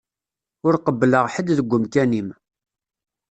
Ur qebbleɣ ḥedd deg umkan-im.